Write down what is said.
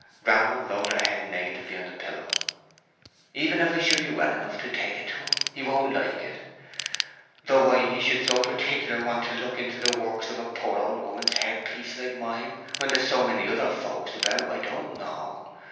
Grammer rolled her head negatively upon the pillow. "Even if I should be well enough to take it to him, he won't like it. Though why he should so particular want to look into the works of a poor old woman's head piece like mine when there's so many other folks about, I don't know.